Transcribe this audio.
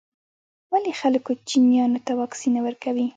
ولي خلګ کوچنیانو ته واکسین نه ورکوي.